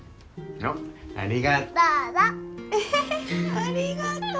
ありがとう。